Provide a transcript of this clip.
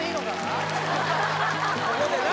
ここでな？